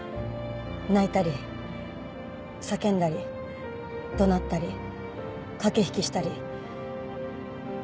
泣いたり叫んだり怒鳴ったり駆け引きしたり。